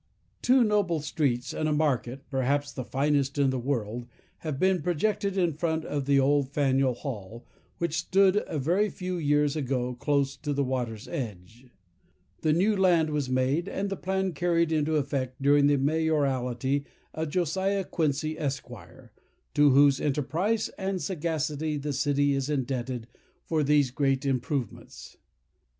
Two noble streets, and a market, perhaps the finest in the world, have been projected in front of the old Faneuil Hall, which stood a very few years ago close to the water's edge. The new land was made, and the plan carried into effect during the mayoralty of Josiah Quincy, Esq., to whose enterprise and sagacity the city is indebted for these great improvements.